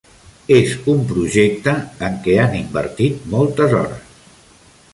És un projecte en què han invertit moltes hores.